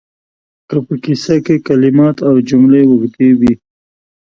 که په کیسه کې کلمات او جملې اوږدې وي